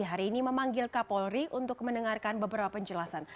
hari ini memanggil kapolri untuk mendengarkan beberapa penjelasan